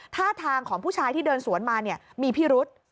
ท่าทางของผู้ชายที่เดินสวนมามีพิรุษ